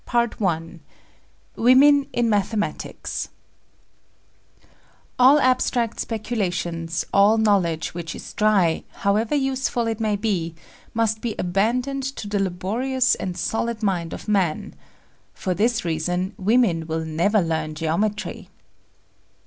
CHAPTER III WOMEN IN MATHEMATICS "All abstract speculations, all knowledge which is dry, however useful it may be, must be abandoned to the laborious and solid mind of man.... For this reason women will never learn geometry."